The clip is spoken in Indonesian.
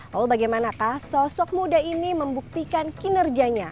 lalu bagaimanakah sosok muda ini membuktikan kinerjanya